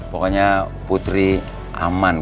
pokoknya putri aman